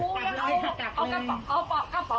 เอากระเป๋ามาให้แล้วเขาก็บอกผู้ปกครองค่ะ